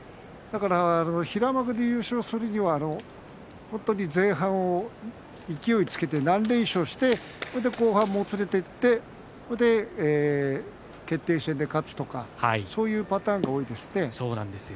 平幕で優勝するには本当に前半を勢いつけて何連勝かしてそれで後半もつれていって決定戦で勝つとかそういうパターンが多いですよね。